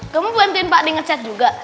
kamu bantuin pak d ngechat juga